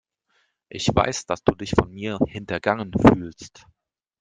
Ich weiß, dass du dich von mir hintergangen fühlst.